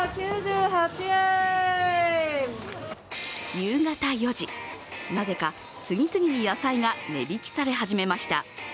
夕方４時、なぜか次々に野菜が値引きされ始めました。